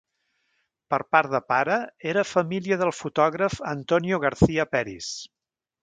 Per part de pare, era família del fotògraf Antonio Garcia Peris.